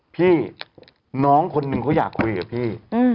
พี่น้องคนหนึ่งเขาอยากคุยกับพี่